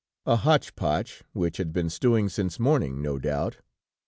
A hotch potch, which had been stewing since morning, no doubt!